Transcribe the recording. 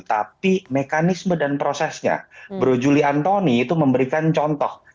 tapi mekanisme dan prosesnya bro juli antoni itu memberikan contoh